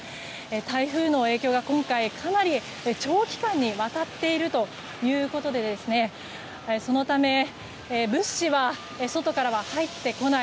台風の影響が今回かなり長期間にわたっているということでそのため、物資は外からは入ってこない。